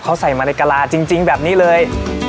เขาใส่มาในกะลาจริงแบบนี้เลย